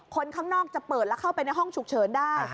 คนข้างนอกจะเปิดแล้วเข้าไปในห้องฉุกเฉินได้